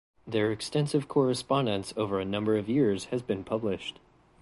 Their extensive correspondence over a number of years has been published.